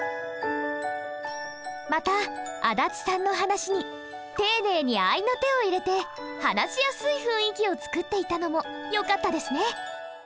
また足立さんの話に丁寧に合いの手を入れて話しやすい雰囲気を作っていたのもよかったですね。